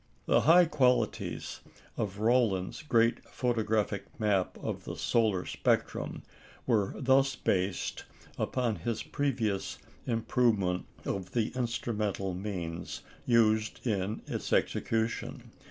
The high qualities of Rowland's great photographic map of the solar spectrum were thus based upon his previous improvement of the instrumental means used in its execution.